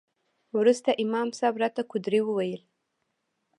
وروسته امام صاحب راته قدوري وويل.